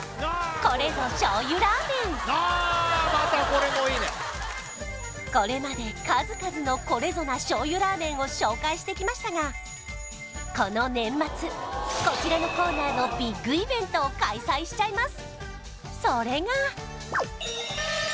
「これぞ醤油ラーメン」これまで数々の「これぞ！」な醤油ラーメンを紹介してきましたがこの年末こちらのコーナーのビッグイベントを開催しちゃいます